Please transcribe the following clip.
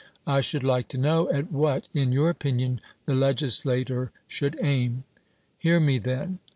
'I should like to know at what in your opinion the legislator should aim.' Hear me, then.